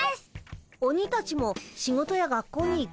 鬼たちも仕事や学校に行くんだね。